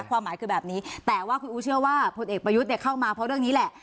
ความหมายคือแบบนี้แต่ว่าคุณอู๋เชื่อว่าพลเอกประยุทธ์เข้ามาเพราะเรื่องนี้แหละ